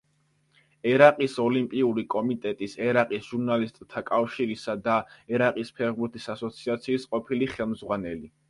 ერაყის ოლიმპიური კომიტეტის, ერაყის ჟურნალისტთა კავშირისა და ერაყის ფეხბურთის ასოციაციის ყოფილი ხელმძღვანელი.